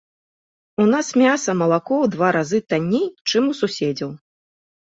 У нас мяса, малако ў два разы танней, чым у суседзяў.